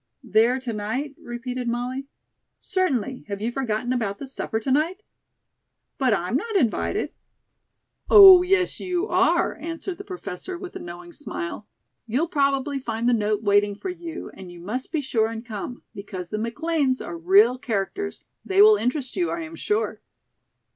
"There to night?" repeated Molly. "Certainly. Have you forgotten about the supper to night?" "But I'm not invited." "Oh, yes, you are," answered the Professor, with a knowing smile. "You'll probably find the note waiting for you. And you must be sure and come, because the McLean's are real characters. They will interest you, I am sure."